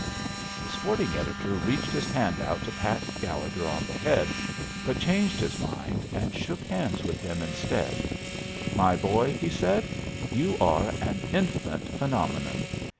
The sporting editor reached his hand out to pat Gallegher on the head, but changed his mind and shook hands with him instead. "My boy," he said, "you are an infant phenomenon.